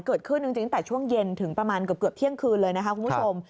เกิดขึ้นจริงตั้งแต่ช่วงเย็นถึงประมาณเกือบเที่ยงคืนเลยนะคะคุณผู้ชม